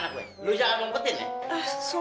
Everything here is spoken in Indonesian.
tapi udah tiga hari ini dia nggak nongkrong di sini be